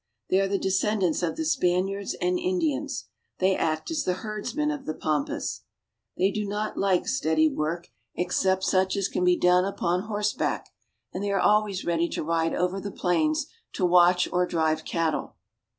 They are the descendants of the Spaniards and Indians. They act as the herdsmen of the pampas. They do not like steady work, except A Gaucho. i8o ARGENTINA. such as can be done upon horseback, and they are always ready to ride over the plains to watch or drive cattle.